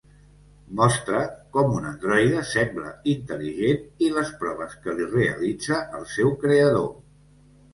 Mostra com un androide sembla intel·ligent i les proves que li realitza el seu creador.